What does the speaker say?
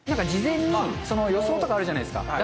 事前にその予想とかあるじゃないですか。